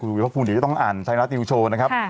คุณอุยภาคภูมิก็ต้องอ่านไทยรัฐยูโชว์นะครับ